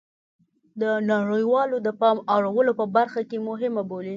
د نړیواله د پام اړولو په برخه کې مهمه بولي